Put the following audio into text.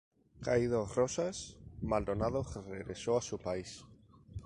Caído Rosas, Maldonado regresó a su país.